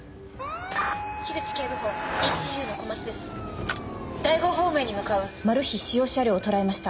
口警部補ＥＣＵ第５方面に向かうマルヒ使用車両を捉えました